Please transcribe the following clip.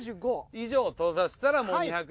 以上到達したらもう２００。